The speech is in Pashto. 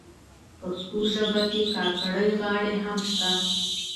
پښتو ژبه کي کاکړۍ غاړي هم سته.